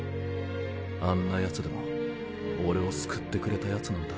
あんなヤツでも俺を救ってくれたヤツなんだ。